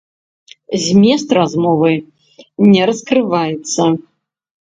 Змест размовы не раскрываецца.